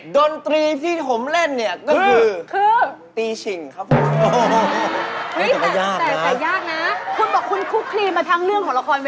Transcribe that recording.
ดนตรีที่ผมเล่นนี่ก็คือ